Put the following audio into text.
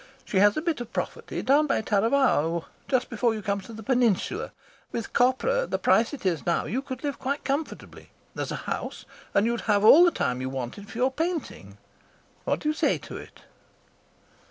She has a bit of property down by Taravao, just before you come to the peninsula, and with copra at the price it is now you could live quite comfortably. There's a house, and you'd have all the time you wanted for your painting. What do you say to it?"